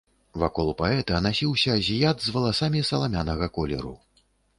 Вакол паэта насіўся азіят з валасамі саламянага колеру.